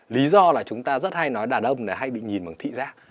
lý do là chúng ta rất hay nói đàn ông này hay bị nhìn bằng thị giác